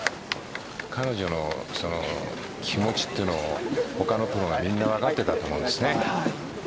彼女の気持ちというのを他のプロもみんな分かっていたと思うんですよね。